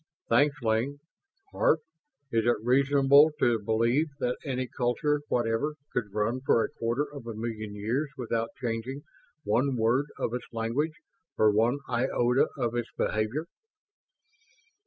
"Thanks, Lane. Hark, is it reasonable to believe that any culture whatever could run for a quarter of a million years without changing one word of its language or one iota of its behavior?"